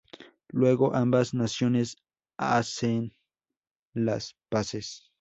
Luego ambas naciones hacen las paces.